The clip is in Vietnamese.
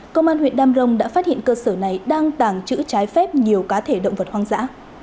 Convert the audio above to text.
công an huyện đam rồng đã phát hiện cơ sở này đang tàng trữ trái phép nhiều cá thể động vật hoang dã